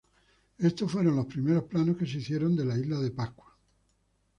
Estos fueron los primeros planos que se hicieron de la isla de Pascua.